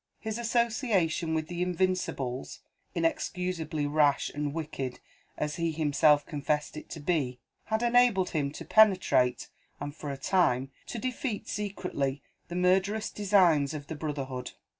His association with the Invincibles inexcusably rash and wicked as he himself confessed it to be had enabled him to penetrate, and for a time to defeat secretly, the murderous designs of the brotherhood.